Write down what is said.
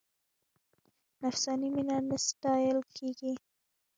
نفساني مینه نه ستایل کېږي.